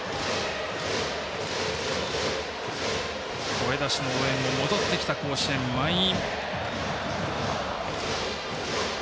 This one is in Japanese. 声出しの応援も戻ってきた甲子園満員。